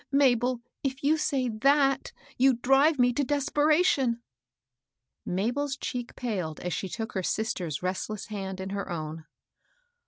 Mabel, if you say ihatj you drive me to desperation !" Mabel's cheek paled as she took her sister's rest less hand in her own.